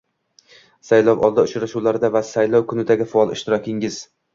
saylovoldi uchrashuvlarida va saylov kunidagi faol ishtirokingiz